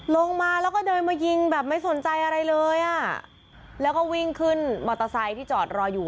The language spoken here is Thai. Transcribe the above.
ลงมาแล้วก็เดินมายิงแบบไม่สนใจอะไรเลยอ่ะแล้วก็วิ่งขึ้นมอเตอร์ไซค์ที่จอดรออยู่